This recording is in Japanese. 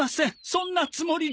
そんなつもりじゃ。